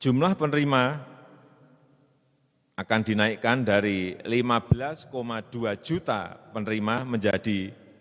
jumlah penerima akan dinaikkan dari dua puluh juta penerima menjadi lima belas dua juta penerima menjadi dua puluh persen